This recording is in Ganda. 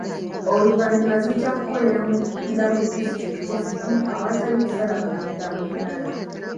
Oluvannyuma zijja kukolera munda mu disitulikiti zino awatali kusala kugenda mu ndala.